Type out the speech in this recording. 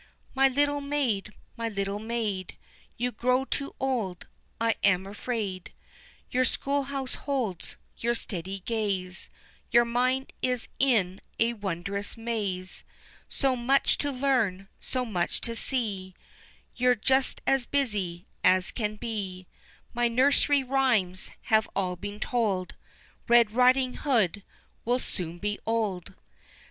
My little maid, my little maid, You grow too old, I am afraid, The schoolhouse holds your steady gaze, Your mind is in a wondrous maze, So much to learn, so much to see, You're just as busy as can be, My nursery rhymes have all been told, Red Riding Hood will soon be old.